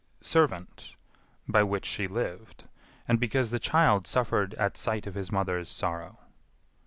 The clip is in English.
servant, by which she lived, and because the child suffered at sight of his mother's sorrow."